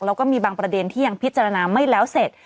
แล้วก็มีบางประเด็นที่ยังพิจารณาไม่แล้วเสร็จ